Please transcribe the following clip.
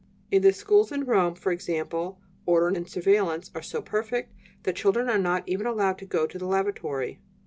In the schools in Rome, for example, order and surveillance are so perfect that children are not even allowed to go to the lavatory.